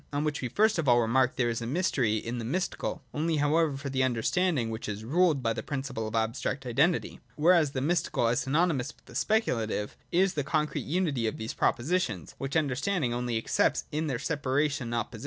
On which we first of all remark that there is mystery in the mystical, only however for the un derstanding which is ruled by the principle of abstract identity ; whereas the mystical, as synonymous with the speculative, is the concrete unity of those propositions, which understanding only accepts in their separation and opposition.